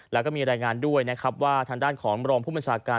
แล้วก็มีรายงานด้วยนะครับว่าทางด้านของบรมภูมิศาสตร์การ